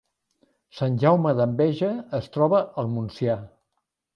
Sant Jaume d’Enveja es troba al Montsià